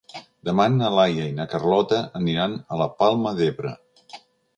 Demà na Laia i na Carlota aniran a la Palma d'Ebre.